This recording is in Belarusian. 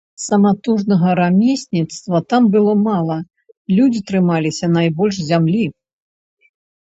Саматужнага рамесніцтва там было мала, людзі трымаліся найбольш зямлі.